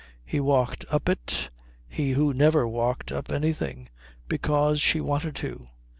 He walked up it, he who never walked up anything, because she wanted to.